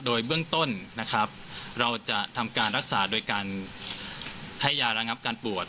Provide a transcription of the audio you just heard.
โดยเบื้องต้นนะครับเราจะทำการรักษาโดยการให้ยาระงับการปวด